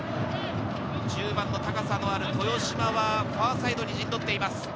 高さのある豊嶋はファーサイドに陣取っています。